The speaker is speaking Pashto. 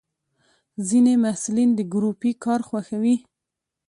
ځینې محصلین د ګروپي کار خوښوي.